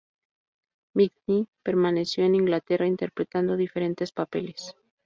McKinney permaneció en Inglaterra, interpretando diferentes papeles.